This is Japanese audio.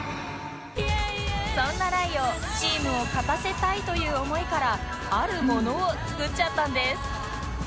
そんなライオーチームを勝たせたいという思いからあるものを作っちゃったんです